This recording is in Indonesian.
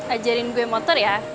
ajarin gue motor ya